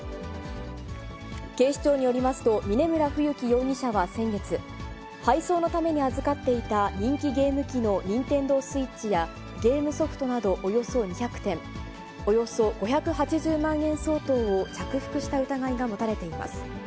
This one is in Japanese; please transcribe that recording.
警視庁によりますと、峯村冬樹容疑者は先月、配送のために預かっていた人気ゲーム機のニンテンドースイッチやゲームソフトなど、およそ２００点、およそ５８０万円相当を着服した疑いが持たれています。